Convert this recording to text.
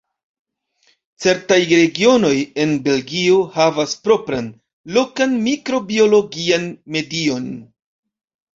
Certaj regionoj en Belgio havas propran, lokan mikrobiologian medion.